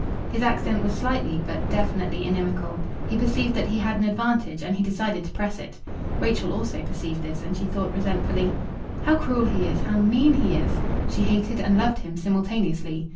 His accent was slightly but definitely inimical. He perceived that he had an advantage, and he decided to press it. Rachel also perceived this, and she thought resentfully: "How cruel he is! How mean he is!" She hated and loved him simultaneously.